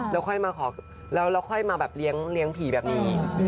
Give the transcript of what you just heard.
แล้วเราค่อยมาแบบเลี้ยงผีแบบนี้